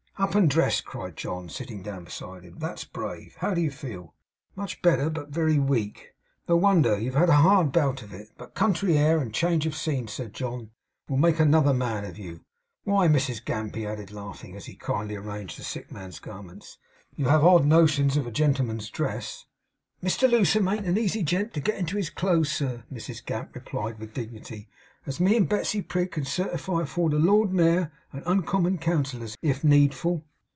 'Up and dressed!' cried John, sitting down beside him. 'That's brave. How do you feel?' 'Much better. But very weak.' 'No wonder. You have had a hard bout of it. But country air, and change of scene,' said John, 'will make another man of you! Why, Mrs Gamp,' he added, laughing, as he kindly arranged the sick man's garments, 'you have odd notions of a gentleman's dress!' 'Mr Lewsome an't a easy gent to get into his clothes, sir,' Mrs Gamp replied with dignity; 'as me and Betsey Prig can certify afore the Lord Mayor and Uncommon Counsellors, if needful!